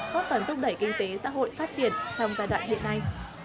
có phần tốc đẩy kinh tế xã hội phát triển trong giai đoạn hiện nay